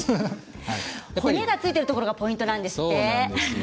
骨がついているところがポイントなんですね。